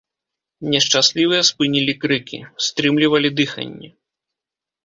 Нешчаслівыя спынілі крыкі, стрымлівалі дыханне.